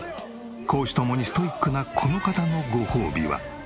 公私ともにストイックなこの方のごほうびは？